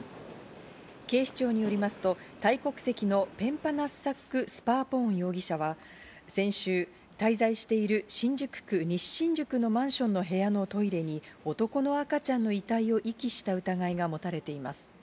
警視庁によりますと、タイ国籍のペンパナッサック・スパーポーン容疑者は先週、滞在している新宿区西新宿のマンションの部屋のトイレに男の赤ちゃんの遺体を遺棄した疑いが持たれています。